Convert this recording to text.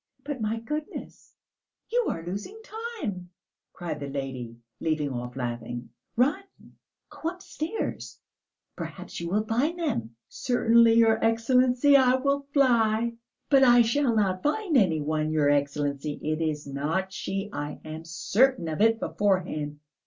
"But, my goodness! You are losing time," cried the lady, leaving off laughing. "Run, go upstairs. Perhaps you will find them." "Certainly, your Excellency, I will fly. But I shall not find any one, your Excellency; it is not she, I am certain of it beforehand.